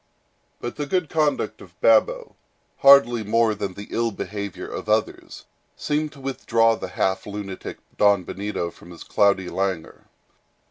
But the good conduct of Babo, hardly more than the ill behavior of others, seemed to withdraw the half lunatic Don Benito from his cloudy languor.